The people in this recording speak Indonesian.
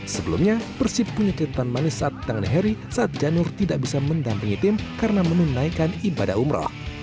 sebelumnya persib punya keitan manis saat ditangani heri saat janur tidak bisa mendampingi tim karena menunaikan ibadah umroh